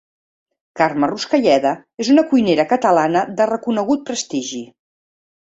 Carme Ruscalleda és una cuinera catalana de reconegut prestigi.